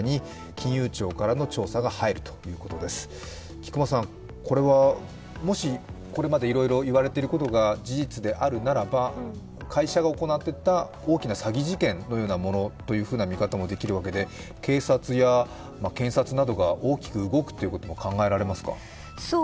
菊間さん、もしこれまでいろいろ言われていることが事実であるならば、会社が行っていた大きな詐欺事件という見方もできるわけで、警察や検察などが大きく動くっていうことも考えられますか？